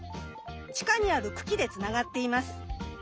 地下にある茎でつながっています。